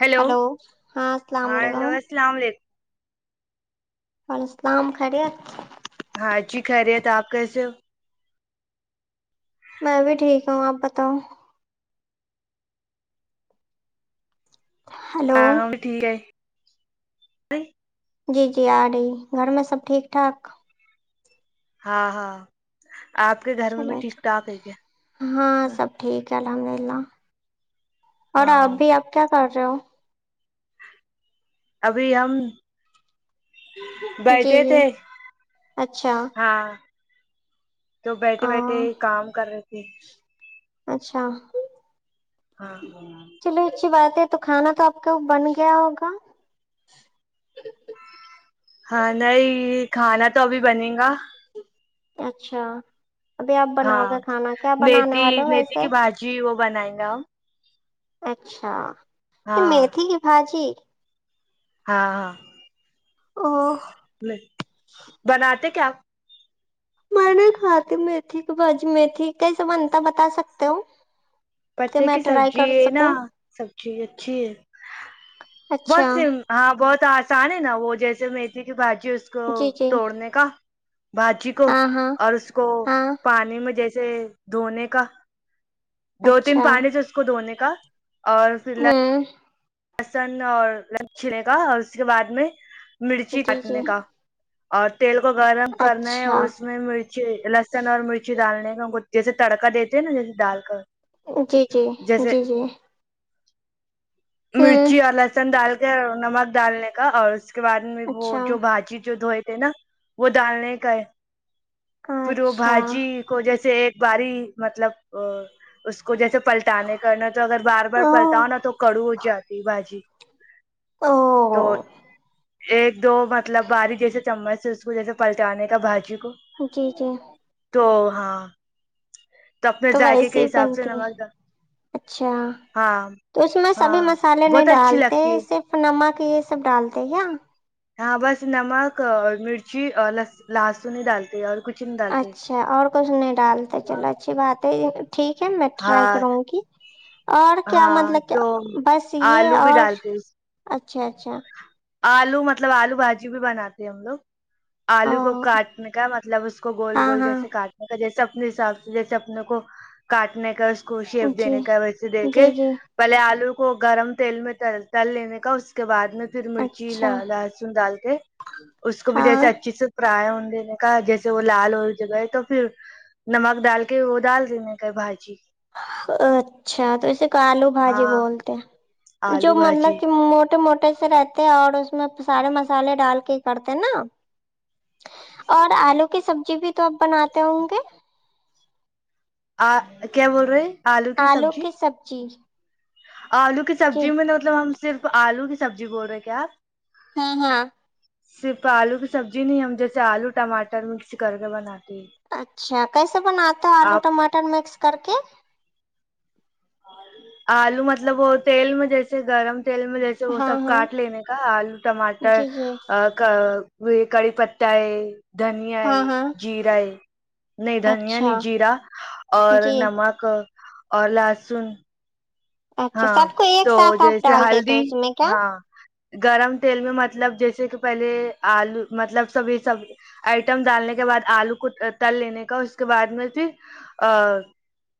hello hello السلام ہاں علیکم ہیلو السلام علیکم وعلیکم السلام خیت ہاں جی خیریت آپ کیسے ہو میں بھی ٹھیک ہوں آپ بتاؤ ہلو آ بھی ٹھیک ہے نہیں جی جی آ رہی گھر میں سب ٹھیک ٹھاک ہاں ہاں آپ کے گھر میں چلو بھی ٹھیک اچھا ٹھاک ہے کیا ہاں سب ٹھیک ہے ال الحمد للہ اور ہاں آپ بھی آپ کیا کر [inaudible] ابھی ہم جی بیٹھے جی تھے اچھا ہاں تو بیٹھے بیٹھے ہاں کام کر رہے تھے جی اچھا ہاں ہاں چلو اچھی بات ہے تو کھانا تو آپ کا بن گیا ہوگا ہاں نہیں کھانا تو ابھی بنے گا اچھا ابھی آپ بناؤ ہاں گے کھانا کیا بنانے میتھی والے ہو میتھی ویسے کی بھجی وہ بنائے گا ا اچھا یہ میتھی کی باجی ہاں ہاں او بناتے کیا آپ میں نے کھا ت میتھی کی بج میتھی کیسا بنتا بتا سکتے ہو کہ پتے میں کی ٹرائی سبزی کر ہے نا سکوں سبزی اچھی ہے اچھا بہت س ہاں بہت ان نا وہ جیسے میتھی کی بھج جو اس کو جی جی توڑنے کا بھجی کو ہاں ہاں اور اس کو ہاں پانی میں جیسے سے دھونے کا دو تین اچھا پانی سے اس کو دھونے کا کا اور ف الح ہوں لسن اور لچنےے کا اور اس کے بعد میں مرچی جی جی کاٹنے کا آٹھ تیل کو گرم کرنا ہے اور اچھا اس میں مرچی لسن اور مرچی ڈالنے کو جیسے تڑکا دیتے ہیں نا جیسے ڈال کا جی جی جی جی ہوں مرچی اور لہسن دال نمک ڈالنے کا اور اس اس کے بعد میں وہ اچھا جو بھاجی جو دو نا وہ ڈالنے کا ہے پھر وہ اچھا بھجی کو جیسے باری مطلب اس کو جیسے پلٹانے کرنا تو اگر بار بار او پلٹاؤ نا تو کڑو باجی او ایک دو مطلب باریک جیسے چمچ سے اس کو جیسے پلٹانے کا بھجی جی جی تو ہاں اپنے تو ذائقے ویسے کے ہی حساب سے بنتی نمک ڈال، اچھا ہاں تو اس میں سبھی مس ہاں مسالے بہت نہیں اچھی ڈالتے لگتی ہے صرف نمک یہ سب ڈالتے کیا ہاں بس نمک اور مرچی اور لہسن ہی ڈالتی اور کچھ نہیں ڈالتے اچھا اور کچھ نہیں ڈالتا چلو اچھی بات ہے ٹھیک ہے میں ٹرائی ہاں کروں گی اور کیا ہاں مطلب کہ تو بس یہ آلو بھی اورچ ڈالتے اس- اچھا اچھا آلو مطلب آلو بھجی بھی بناتے ہیں ہم لوگ آلو کو او کاٹنے کا مطلب اس کو گول ہاں گول ہاں جیسے کاٹنے کا جیسے اپنے حساب سے جیسے اپنے کو کاٹنے کا کو شیف جی دینے کا ویسے دیک جی کے جی بہلے آلو کو گرم تیل میں ت تل لینے کا اس کے بعد پھر مرچی اچھا لہسن ڈال کے اس کو بھی ہاں جیسے اچھے سے فرائے ہو دینے کا جیسے وہ لال ہو جگئے تو پھر نمک ڈال کے وہ ڈال دینے کا بھجی اچھا تو ویسے کلو بھجی ہاں بولتے آلو جو مطلب بھاجی کہ چوٹے موٹے سے رہتے اور اس میں سارے مسالے ڈال کے کرتے نا اور آلو کی سبزی بھی تو آپ بناتے ہوں گے آ کیا بول رہے ہیں آلو کی سبزی آلو کی جی سبزی میں مطلب ہم صرف آلو کی سب جی بول رہے کیا آپ ہاں ہاں صرف آلو کی سبزی نہیں ہم جیسے آلو ٹماٹر مکس کر کے بناتے ہیں اچھا کیسے بناتا ہے آلو آپ ٹماٹر مکس کر کے آلو مطلب وہ تیل میں جیسے گرم تیل میں جیسے وہ ہاں سب ہاں کاٹ لینے کا آلو ٹماٹر جی جی وہ یہ کڑی پتا ہے دھنیا ہاں ہے ہاں جیرا ہے نہیں دھنیا نہیں اچھا جیرا اور جی نمک اور لاسٹ سن اچھا سب کو ایک ساتھ آپ ڈال دیتے ہلدی اس میں کیا ہاں گرم تیل میں مطلب جیسے کہ پہلے آلو مطلب سبھی سب آئٹم ڈالنے کے بعد آلو کو تل لینے کا اس کے بعد میں پھر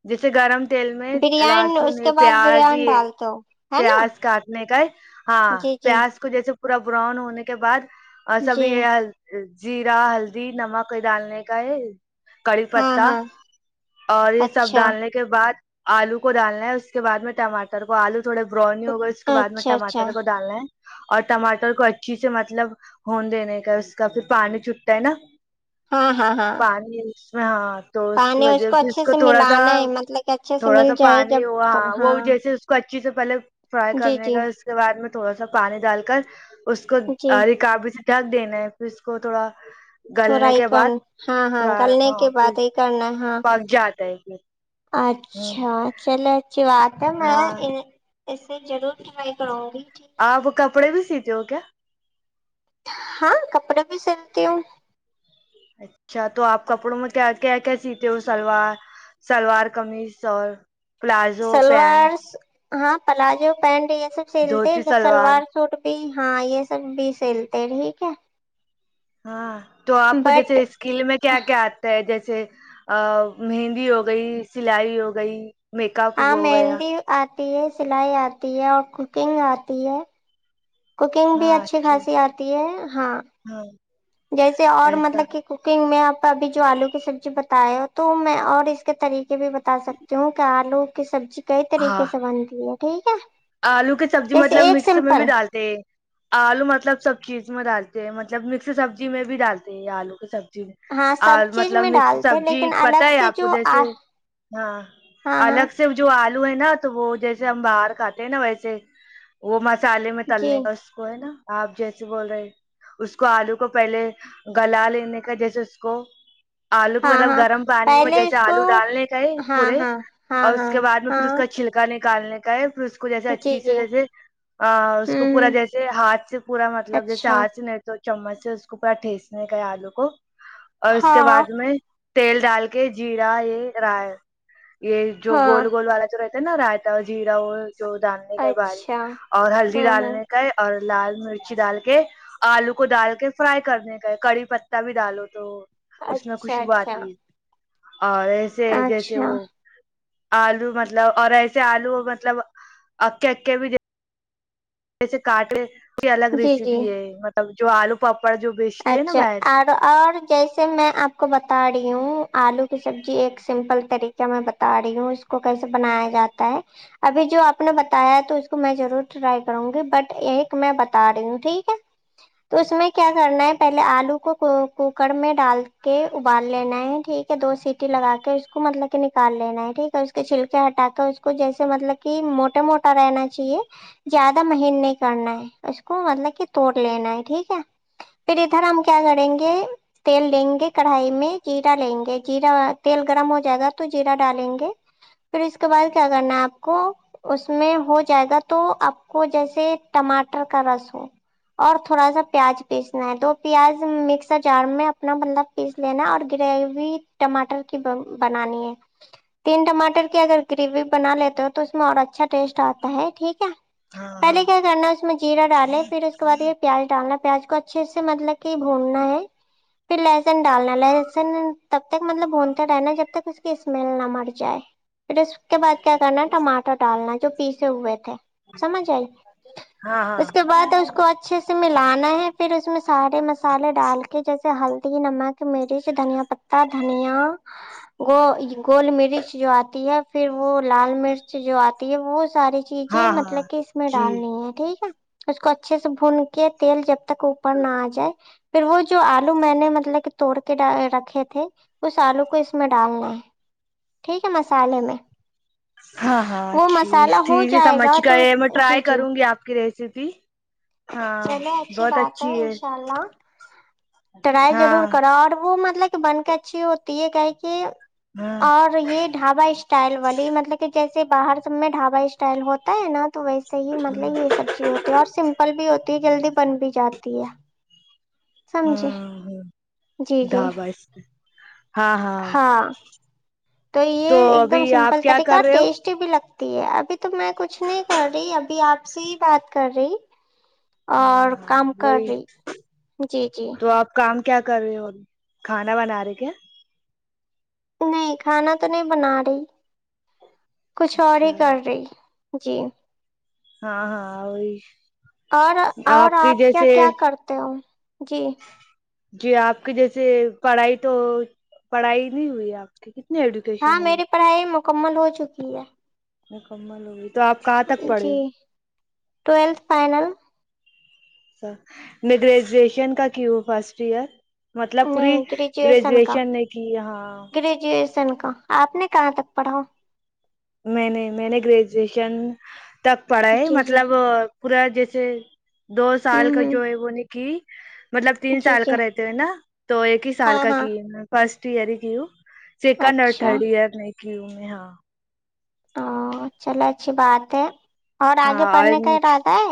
جیسے گرم بریانی اس کے بعد پ بریان یہ ڈال دو ہے نا پیاز کاٹنے کا ہے ہاں جی جی پیاز کو جیسے پورا براؤن ہونے کے بعد اور سب جی یہ جیرا ہلدی نمک ڈالنے کا ہے کڑی ہاں پتا ہاں اور یہ سب اچھا ڈالنے کے بعد آلو کو ڈالنا ہے اس بعد میں ٹاٹر کو آلو تھوڑے ب براؤنی ہوگا اس کے بعد میں اچھا اچھا ٹماٹر کو ڈالنا ہے اور ٹماٹر کو اچھی سے مطلب ہوند دینے کا اس کا پھر پانی چھوٹتا ہے نا ہاں ہاں ہاں و ہ پانی اس کو اچھے سے ملانا ہے مطلب کہ اچھے سے تھوڑا مل سا جائے پانی ہوا جب ہاں وہ جیسے اس پچی سے پہلے فرائی جی کرنے جی کا اس کے بعد میں تھوڑا سا پانی ڈال کر اس کو جی ہر کااب بھی ڈگ دینا ہے پھر اس کو تھوڑا تھوڑا گلنے ہی کے بعد کرنا ہاں ہاں گلنے کے بعد ہی کرنا ہے فگ جاتتا ہے میں اچھا چل و اک میں ہاں ایسے ضور ٹرائی کراوں گی آپ کپڑے بھی سیتے جوو کیا ہاں کپڑے بھی سلتی ہوں اچھا تو آپ کپڑوں میں کیا کیا کیا سیتے ہو سلوار سلوار قمیص اور پلازو سلوار پینٹ ہاں پلازو پینٹ یہ سب سیلتے ہیں سلوار سوٹ بھی ہاں یہ سب بھی سیلتے ٹھیک ہے ہاں تو آپ کو بٹ جیسے اسکل میں کیا کیا آتا ہے جیسے ا مہندی ہو گئی سلائی ہو گئی میک اپ ہاں ہوا ہو گیا مہندی آ ہے سلائی آتی ہے اور کوکنگ آتی ہے کوکنگ بھی ہاں اچھی اچھا خاصی آتی ہے ہاں ہاں جیسے اور ایسا مطلب کہ کوکنگ میں آپ ابھی جو آلو کی سبزی ب تو میں اور اس کے طریقے بھی بتا سکتی ہوں کہ آلو کی سبزی کئی طریقے ہاں سے بنتی ہے ٹھیک ہے آلو کی سبزی جیسے مطلب ایک مکس میں بھی سمپل ڈالتے آلو مطلب سب چیز ڈالتے ہیں مطلب مکس سبزی میں بھی ڈالتے یہ آلو کی سبزی ہاں سب اور چیز مطلب میں مس ڈالتے سبزی لیکن پت الگ ہے سے آپ کو جو جیسے ہاں ہاں ہاں الگ سے جو آ ہے نا تو وہ جیسے ہم باہر کاتتے نا ویسے وہ م سالے میں جی تلنے کا اس کو ہے نا آپ جیسے بول رہے اس کو آلو کو پہلے گلا لینے کا جیسے اس کو آلو کو ہاں مطلب ہاں گرم پانی میں پہلے جیسے اس کو آلو ڈالنے کا ہاں پورے ہاں ہاں اور اس ہاں کے بعد میں پھر اس ہاں کا چھلکانے کا کالنے کا ہے اس کو جیسے جی اچھی سے جی جیسے اس کو ہوں پورا ہ جیسے ہاتھ سے پورا مطلب جیسے اچھا ہاتھ سے نہیں تو چمچ سے اس کو پورا ٹھیسنے گئے آلو کو اور اس کے ہاں بعد میں تیل ڈال کے جیرا یہ ر ہے یہ جو ہاں گول گول والا جو رہ نہ رہتا ہے جییراؤ جو ڈالنے کا ہاں ہے بال اچھا اور ہلدی ہوں ہ ڈالنے کا ہے اور لال مرچی ڈال کے آلو کو ڈال کے فرائی کرنے کا کڑی پتا بھی ڈالو تو اس میں اچھا خوشبو اچھا آتی ہے اور ایسے جیسے اچھا وہ آلو مطلب اور ایسے آلو مطلب آکے اکے بھی د پ سےے کاٹ کوئی الگ جی جی ریسیپی ہے مطلب جو آلو پپا اچھا اور اور جیسے میں آپ کو بتا رہی ی ہ آلو کی سبزی ایک سمپل طریقہ میں بتا رہی ہوں اس کو کیسے بنایا جاتا ہے ابھی جو آپ نے بتایا ہے تو اس کو میں ضرور ٹرائی کروں گی بٹ ایک میں بتا رہی ہوں ٹھیک ہے تو اس میں کیا کرنا ہے پہلے آلو کو کوکر میں ڈال کے ابال لینا ہے ٹھیک ہے دو سیٹی لگا کے اس کو مطلب کہ نکال لینا ہے ٹھیک ہے اس کے چھلکے ہٹا کے اس کو جیسے مطلب کہ موٹا موٹا رہنا چاہیے زیادہ مہین نہیں کرنا ہے اس کو مطلب کہ توڑ لینا ہے ٹھیک ہے پھر ادھر ہم کیا کریں گے تیل لیں گے کڑھائی میں جیرا لیں گے جا تیل گرم ہو جائے گا تو جیرا ڈالیں گے پھر اس کے بعد کیا کرنا ہے آپ کو اس میں ہو جائے گا تو آپ کو جیسے ٹماٹر کا رس ہو اور تھوڑا سا پیاز پیسنا ہے دو پیاز مکسر جار میں اپنا بطلب پیس لینا ہے اور گریوی ٹماٹر کی بنانی ہے تین ٹماٹر کی اگر گریوی بنا لیتے ہو تو اس میں اور اچھا ٹیسٹ آتا ہے ٹھیک ہے ہاں پہلے ہاں کیا کرنا اس میں جیرہ ڈالے پھر اس کے بعد یہ پیاز ڈالنا پیاز کو اچھے سے مطلب کہ بھوننا ہے پھر لہسن ڈالنا لہسن تب تک مطلب بھونتے رہنا جب تک اس کی اسمیل نہ مر جائے پھر اس کے بعد کیا کرنا ٹماٹر ڈالنا جو پیسے ہوئے تھے سمجھ آئی ہاں اس ہاں کے بعد اس کو اچھے سے ملانا ہے پھر اس میں سارے مسالے ڈال کے جیسے ہلدی نمک مرچ دھنیا پتتا دھنیا گ گول مرچ جو آتی ہے پھر وہ لال مرچ جو آتی ہے وہ ساری چیزیں ہاں ہاں مطلب کہ اس میں جی ڈالنی ہے ٹھیک ہے اس کو اچھے سے بھون کے تیل جب تک اوپر نہ آ جائے پھر وہ جو آلو میں نے مطلب توڑ کے رکھے تھے اس آلو کو اس میں ڈالنا ہے ٹھیک ہے مسالے میں ہاں ہاں وہ چیز مسالہ ہو ٹھیک ہے جائے سمجھ گا تو گئی میں جی ٹرائی جی کروں گی آپ کی ریسیپی جی چلے اچھی بات ہے ان شاء اللہ ٹرائی ہاں ضرور کرو اور وہ مطلب کہ بن کے اچھی ہوتی تو یہ کا ہے کہ ہاں اور یہ ڈھابا اسٹائل والی مطلب کہ جیس سے باہر سب میں ڈھابا اسٹائل ہوتا ہے نا تو ویسے ہی مطلب یہ سبزی ہوتی ہے اور س ہوتی ہے جلدی بن بھی جاتی ہے سمجھے ہاں ہ جی جی دھ بس ہاں تو یہ ایک ابھی دم آپ سمپل کیا طریقہ کر رہے ہو ٹیسٹی بھی لگتا ابھی تو میں کچھ نہیں کر رہی ابھی آپ سے ہی بات کر رہی ہاں اور ہاں کام کر وہی رہی جی جی تو آپ کام کیا کر رہی ہوگی کھانا بنا رہے کیا نہیں کھانا تو نہیں بنا رہی کچھ اور ہی اچھا کر رہی جی ہاں ہاں وہی اور اور کی آپ کیا جیسے کیا کرتے ہو جی جی آپ کی جیسے پڑھائی تو پڑھائی نہیں ہوئی آپ کی ایجوکیشن ہاں ہوئی میری پڑھائی مکمل ہو چکی ہے مکمل ہوگ تو آپ کہاں تک جی پڑے ٹویلتھ فائنل اچر میں گریجویشن کا کیوں ہوں فرسٹ ایئر مطلب پوری نہیں کا گریجویشن نے کی ہاں گریجویشن کا آپ نے کہاں تک پڑھا میں نے میں نے گریجویشن تک پڑے جی جی مطلب پورا جیسے دو ہوں سال کا ہوں جو ہے وہ ن کہ مطلب تین جی سال کا جی رہتے ہوئے نا تو ایک ہی سال ہاں کا ہاں کی میں فرسٹ تیاری کی چیکا اچھا نرٹھڑی ار نہیں کیوں میں ہاں او چلو اچھی بات ہے اور آگے ہاں پڑھنے کا ہی اور رہتا ہے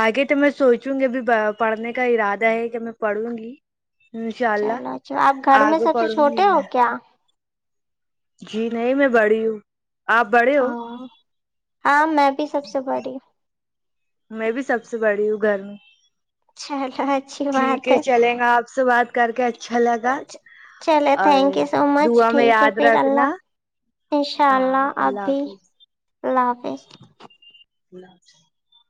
آگے تو میں سوچوں گی ابھی پڑھنے کا ارادہ ہے کہ میں پڑھوں گی انشاء اللہ چلو اچھا آپ گھر میں آگے سب سے پڑھوں گی چھوٹے ہو میں کیا جی نہیں میں بڑی ہوں آپ بڑے ہو ا ہاں میں بھی سب سے بڑی ہ میں بھی سب سے بڑی ہوں گھر میں چلو اچھی بات ٹھیک ہے چلیں گا آپ سے بات کر کے اچھا لگا اچا چلے اور تھینک یو سو مچ دعا میں ٹھیک ہے یاد پھر اللہ رکھنا انشاء ہاں اللہ اب بھی حافظ اللہ حافظ س بلا